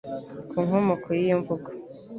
ku nkomoko y'iyo mvugo.